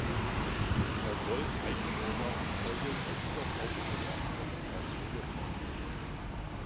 Er soll, eigenen Angaben zufolge, bei über tausend Gelehrten seiner Zeit studiert haben.